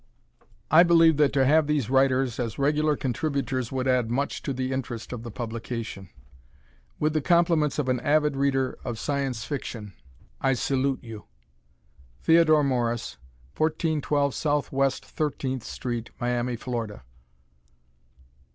I believe that to have these writers as regular contributors would add much to the interest of the publication. With the compliments of an avid reader of Science Fiction. I salute you. Theodore Morris, 1412 S. W. 13th St., Miami, Fla.